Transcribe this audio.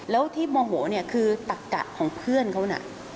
แล้วที่มอโหคือตักกะของเพื่อนเขานะ